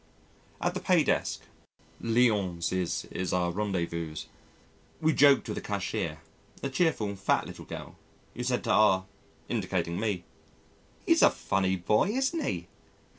At the pay desk (Lyons' is our rendezvous) we joked with the cashier a cheerful, fat little girl, who said to R (indicating me), "He's a funny boy, isn't he?"